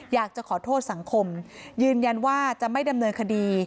อยากจะขอโทษสังคมยืนยันว่าจะไม่ดำเนินคดี